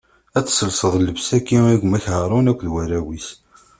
Ad tesselseḍ llebsa-agi i gma-k Haṛun akked warraw-is.